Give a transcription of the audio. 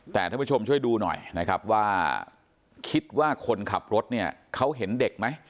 แต่ท่านผู้ชมช่วยดูหน่อยนะครับว่าคิดว่าคนขับรถเนี่ยเขาเห็นเด็กไหม